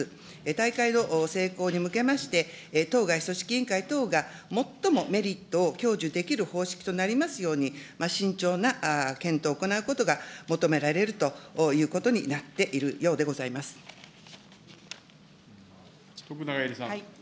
大会の成功に向けまして、当該組織委員会等が最もメリットを享受できる方式となりますように、慎重な検討を行うことが求められるということになっているよ徳永エリさん。